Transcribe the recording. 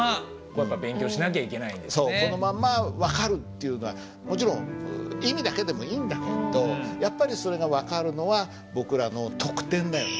そうこのまんま分かるっていうのはもちろん意味だけでもいいんだけれどやっぱりそれが分かるのは僕らの特典だよね。